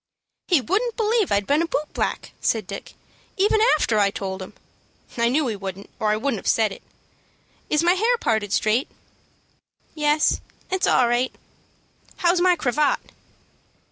"He wouldn't believe I'd been a boot black," said Dick, "even after I told him. I knew he wouldn't, or I wouldn't have said so. Is my hair parted straight?" "Yes, it's all right." "How's my cravat?"